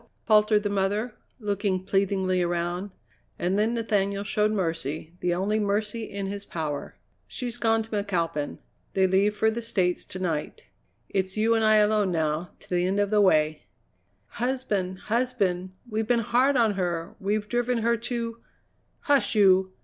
faltered the mother, looking pleadingly around. And then Nathaniel showed mercy, the only mercy in his power. "She's gone to McAlpin. They leave for the States to night. It's you and I alone now to the end of the way." "Husband, husband! We've been hard on her; we've driven her to " "Hush, you!